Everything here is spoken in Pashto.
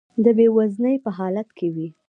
د بې وزنۍ په حالت کې وي.